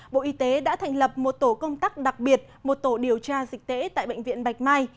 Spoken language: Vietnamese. bộ y tế đã thành lập một tổ công tác đặc biệt một tổ điều tra dịch tễ tại bệnh viện bạch mai